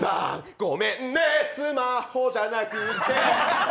ごめんねスマホじゃなくって。